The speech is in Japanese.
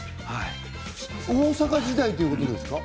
大阪時代ということですか？